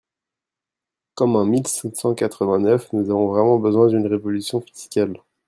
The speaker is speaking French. Comme en mille sept cent quatre-vingt-neuf, nous avons vraiment besoin d’une révolution fiscale.